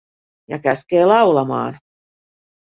Ja käskee laulamaan.